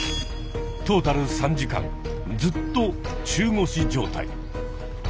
トータル３時間ずっと中腰状態。